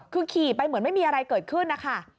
คือขี่ไปเหมือนไม่มีอะไรเกิดขึ้นนะคะ